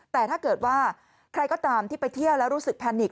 แต่ถ้าเกิดว่าใครก็ตามที่ไปเที่ยวแล้วรู้สึกแพนิก